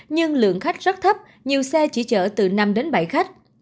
nhưng lượng khách rất thấp nhiều xe chỉ chở từ năm đến bảy khách